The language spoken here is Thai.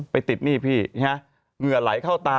ไปติดนี่พี่เห็นไหมเหงื่อไหลเข้าตา